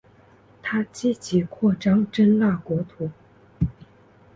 他积极扩张真腊国土。